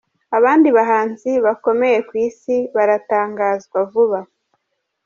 Abandi bahanzi bakomeye ku Isi baratangazwa vuba.